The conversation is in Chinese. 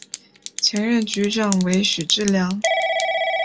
前任局长为许志梁。